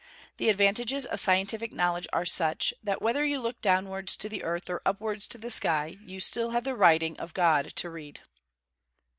The advantages of scientific knowledge are such, that whether you look downwards, to the earth, or upwards to the sky, you have still the writing of God to read.